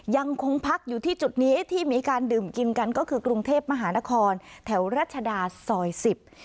ยังคงพักอยู่ที่จุดนี้ที่มีการดื่มกินกันก็คือกรุงเทพมหานครแถวรัชดาซอยสิบ